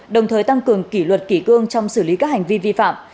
đồng thời tăng cường kỷ luật kỷ cương trong xử lý các hành vi vi phạm